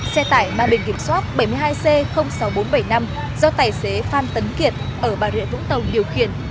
xe tải mang biển kiểm soát bảy mươi hai c sáu nghìn bốn trăm bảy mươi năm do tài xế phan tấn kiệt ở bà rịa vũng tàu điều khiển